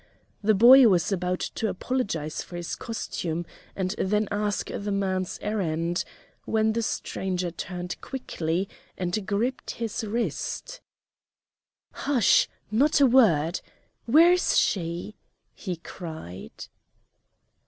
The boy was about to apologize for his costume and then ask the man's errand, when the stranger turned quickly and gripped his wrist. "Hush not a word! Where is she?" he cried.